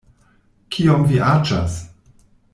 Kiom vi aĝas?